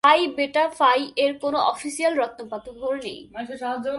পাই Beta Phi এর কোন official রত্নপাথর নেই।